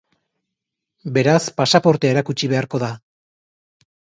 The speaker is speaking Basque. Beraz pasaportea erakutsi beharko da.